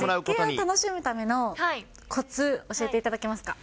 絶景を楽しむためのこつ、教えていただけますか。